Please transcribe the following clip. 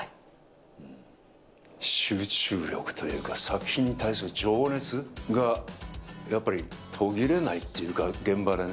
集中力というか、作品に対する情熱がやっぱり途切れないというか、現場でね。